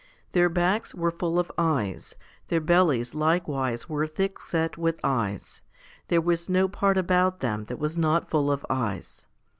Their backs were full of eyes ; their bellies likewise were thick set with eyes ; there was no part about them that was not full of eyes.